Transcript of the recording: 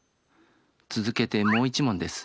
続けてもう一問です。